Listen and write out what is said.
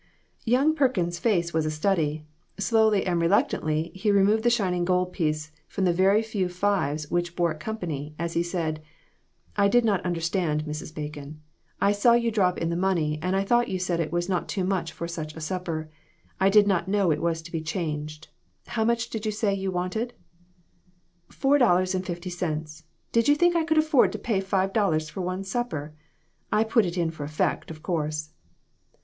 Young Perkins' face was a study. Slowly and reluctantly he removed the shining gold piece from the very few fives which bore it company, as he said " I did not understand, Mrs. Bacon. I saw you drop in the money, and I thought you said it was not too much for such a supper. I did not know it was to be changed. How much did you say you wanted ?"" Four dollars and fifty cents. Did you think I could afford to pay five dollars for one supper ? I put it in for effect, of course."